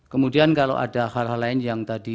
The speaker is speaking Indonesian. kemudian kalau ada hal hal lain yang tadi